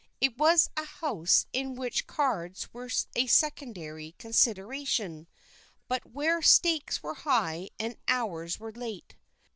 It was a house in which cards were a secondary consideration, but where stakes were high and hours were late.